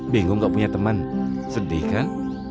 bingung gak punya teman sedih kan